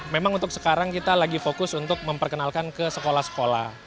memang untuk sekarang kita lagi fokus untuk memperkenalkan ke sekolah sekolah